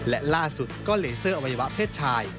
และล่าสุดก็เวลาการเลเซอร์อวัยวะเพชรชาย